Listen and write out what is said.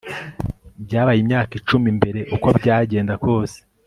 byabaye imyaka icumi mbere, uko byagenda kose